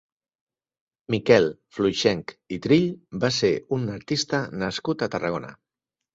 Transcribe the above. Miquel Fluixench i Trill va ser un artista nascut a Tarragona.